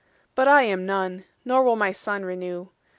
But I am None; nor will my Sunne renew.